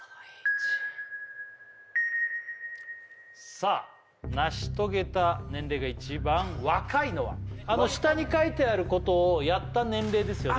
さあ成し遂げた年齢が一番若いのは下に書いてあることをやった年齢ですよね